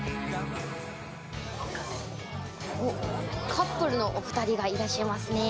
カップルのお二人がいらっしゃいますね。